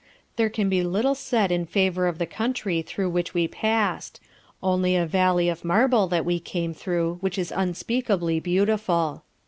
There can be little said in favour of the country through which we passed; only a valley of marble that we came through which is unspeakably beautiful.